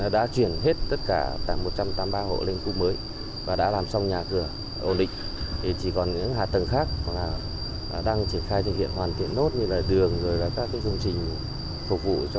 đã chuyển hết tất cả một trăm tám mươi ba hộ lên khu mới và đã làm xong nhà cửa ổn định